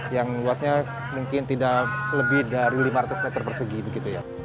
yang luasnya mungkin tidak lebih dari lima ratus meter persegi begitu ya